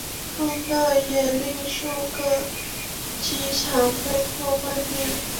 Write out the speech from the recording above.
风暴也令数个机场被迫关闭。